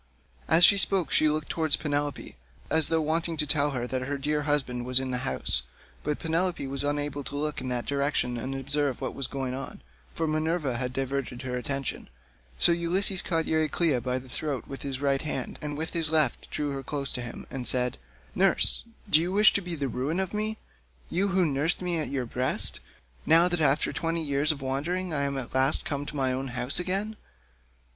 As she spoke she looked towards Penelope, as though wanting to tell her that her dear husband was in the house, but Penelope was unable to look in that direction and observe what was going on, for Minerva had diverted her attention; so Ulysses caught Euryclea by the throat with his right hand and with his left drew her close to him, and said, "Nurse, do you wish to be the ruin of me, you who nursed me at your own breast, now that after twenty years of wandering I am at last come to my own home again?